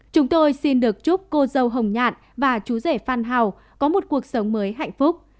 chúng tôi xin được chúc cô dâu hồng nhạn và chú rể phan hào có một cuộc sống mới hạnh phúc